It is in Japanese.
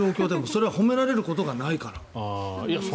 それは褒められることがないから。